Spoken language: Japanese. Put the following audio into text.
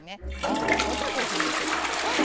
種ごと、ぜひ入れてください。